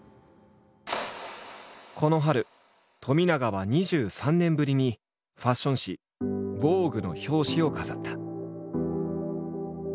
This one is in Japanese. この春冨永は２３年ぶりにファッション誌「ＶＯＧＵＥ」の表紙を飾った。